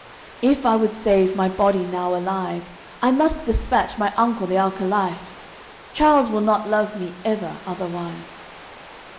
If I would save my body now alive, I must despatch my uncle the alcalyph, Charles will not love me ever otherwise."